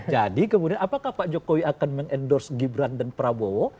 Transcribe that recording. jadi kemudian apakah pak jokowi akan mengendorse gibran dan prabowo